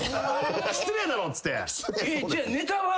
失礼だろっつって。